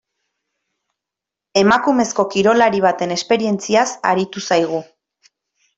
Emakumezko kirolari baten esperientziaz aritu zaigu.